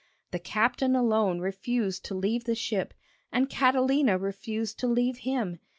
The captain alone refused to leave the ship, and Catalina refused to leave him.